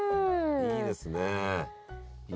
いいですね。